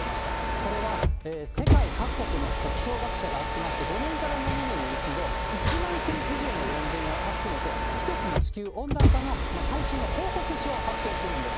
これは世界各国の気象学者が集まって５年から７年に１度、１万件以上の論文を集めて、１つの地球温暖化の最新の報告書を発表するんです。